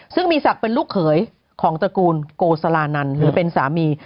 ซึ่งมีศักดิ์เป็นลูกเขยของตระกูลโกสลานันหรือเป็นสามี